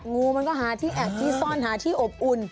งูมันก็หาที่แอบที่ซ่อนหาที่อบอุ่น